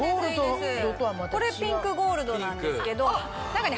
これピンクゴールドなんですけど何かね